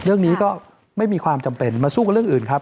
เรื่องนี้ก็ไม่มีความจำเป็นมาสู้กับเรื่องอื่นครับ